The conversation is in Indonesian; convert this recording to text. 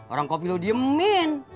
orang kopi lu diemin